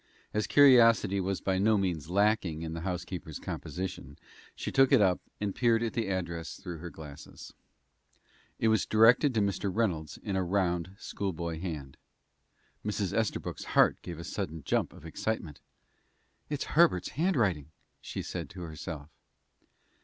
As curiosity was by no means lacking in the housekeeper's composition, she took it up, and peered at the address through her glasses. It was directed to Mr. Reynolds in a round, schoolboy hand. Mrs. Estabrook's heart gave a sudden jump of excitement. "It's Herbert's handwriting," she said to herself.